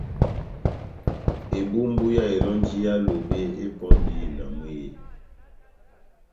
Ebumbu yá elɔnji yá Lobe epɔndi na mwehé.